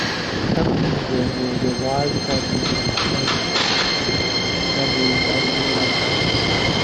Accompanying them were their wives, families and retainers, numbering ninety-nine persons.